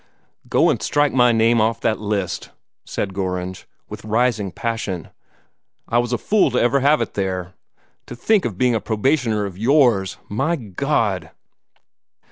"Go and strike my name off the list!" said Gorringe, with rising passion. "I was a fool to ever have it there. To think of being a probationer of yours my God!"